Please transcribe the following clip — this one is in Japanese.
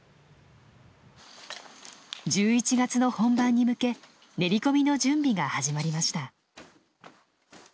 １１月の本番に向け練り込みの準備が始まりました。